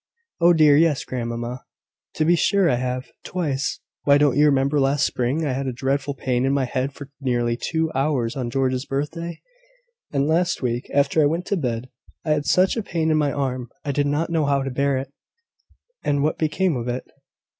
"Oh, dear, yes, grandmamma: to be sure I have; twice. Why, don't you remember, last spring, I had a dreadful pain in my head for nearly two hours, on George's birthday? And last week, after I went to bed, I had such a pain in my arm, I did not know how to bear it." "And what became of it?"